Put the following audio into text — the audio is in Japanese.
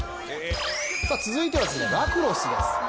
続いては、ラクロスです。